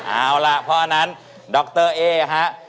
เอาล่ะเพราะฉะนั้นดรเอ๊ฮะ